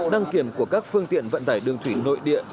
đăng kiểm của các phương tiện vận tải đường thủy nội địa